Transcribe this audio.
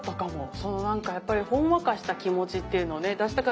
そのなんかやっぱりほんわかした気持ちっていうのをね出したかったもんね。